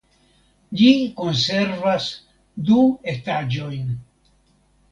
Ĝi konservas du etaĝojn.